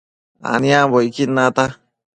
aniambocquid nata